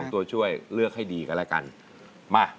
ตัวช่วยเลือกให้ดีกันแล้วกันมา